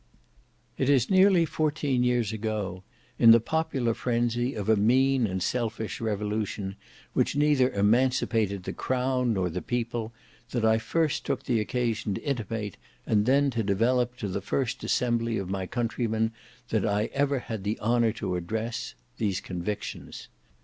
It is nearly fourteen years ago, in the popular frenzy of a mean and selfish revolution which neither emancipated the Crown nor the People, that I first took the occasion to intimate and then to develop to the first assembly of my countrymen that I ever had the honour to address, these convictions.